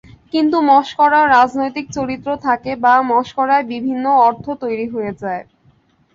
কিন্তু মশকরারও রাজনৈতিক চরিত্র থাকে বা মশকরায় ভিন্ন অর্থ তৈরি হয়ে যায়।